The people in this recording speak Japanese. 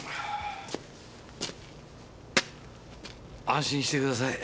安心してください。